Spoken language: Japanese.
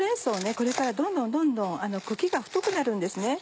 これからどんどん茎が太くなるんですね。